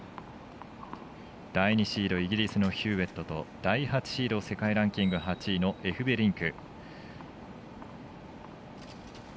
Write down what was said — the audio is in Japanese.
第２シードイギリスのヒューウェットと第８シード世界ランキング８位のエフベリンク。